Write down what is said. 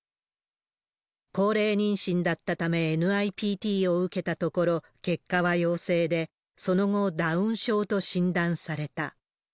高齢妊娠だったため、ＮＩＰＴを受けたところ、結果は陽性で、その後、ダウン症と診断された。